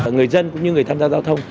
người dân cũng như người tham gia giao thông